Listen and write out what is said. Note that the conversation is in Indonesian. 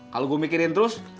kalau gue mikirin terus